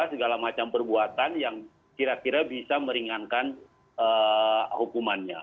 segala macam perbuatan yang kira kira bisa meringankan hukumannya